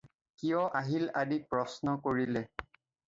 কিয় আহিল আদি প্ৰশ্ন কৰিলে।